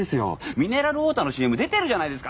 ミネラルウォーターのＣＭに出てるじゃないですか。